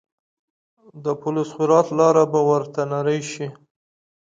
د پل صراط لاره به ورته نرۍ شي.